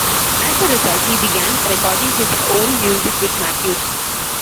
As a result, he began recording his own music with Matthews.